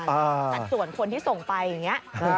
สัดส่วนคนที่ส่งไปอย่างนี้